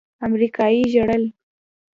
امريکايي ژړل.